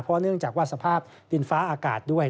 เพราะเนื่องจากว่าสภาพดินฟ้าอากาศด้วย